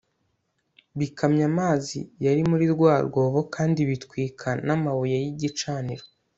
bikamya amazi yari muri rwa rwobo kandi bitwika namabuye yigicaniro